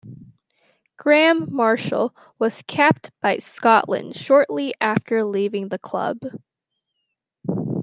Graham Marshall was capped by Scotland shortly after leaving the club.